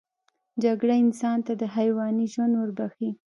جګړه انسان ته د حیواني ژوند ورښيي